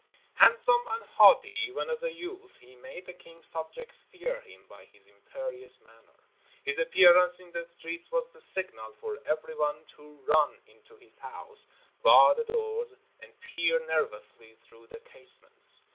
Handsome and haughty, even as a youth, he made the king's subjects fear him by his imperious manner. His appearance in the streets was the signal for everyone to run into his house, bar the doors, and peer nervously through the casements.